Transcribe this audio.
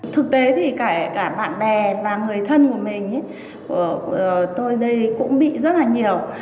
thực tế thì cả bạn bè và người thân của mình tôi đây cũng bị rất là nhiều